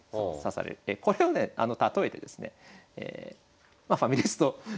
これをね例えてですねファミレスと。